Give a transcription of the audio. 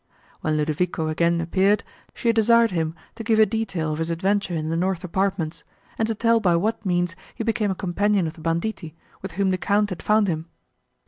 When Ludovico again appeared, she desired him to give a detail of his adventure in the north apartments, and to tell by what means he became a companion of the banditti, with whom the Count had found him.